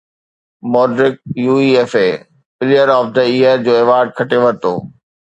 Modric UEFA player of the year جو award کٽي ورتو